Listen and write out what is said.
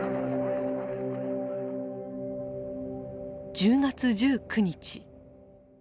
１０月１９日。